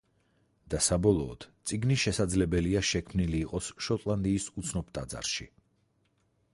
და საბოლოოდ წიგნი შესაძლებელია შექმნილი იყოს შოტლანდიის უცნობ ტაძარში.